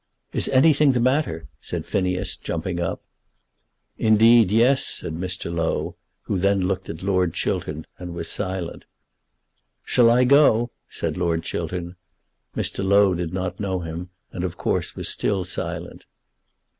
"Is anything the matter?" said Phineas, jumping up. "Indeed, yes," said Mr. Low, who then looked at Lord Chiltern and was silent. "Shall I go?" said Lord Chiltern. Mr. Low did not know him, and of course was still silent.